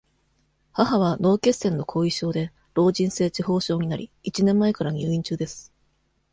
母は、脳血栓の後遺症で、老人性痴呆症になり、一年前から入院中です。